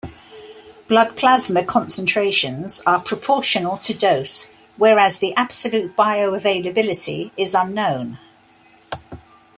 Blood plasma concentrations are proportional to dose, whereas the absolute bioavailability is unknown.